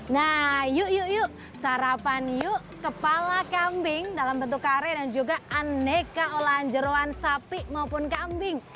nah yuk yuk sarapan yuk kepala kambing dalam bentuk kare dan juga aneka olahan jeruan sapi maupun kambing